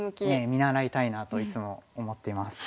見習いたいなといつも思ってます。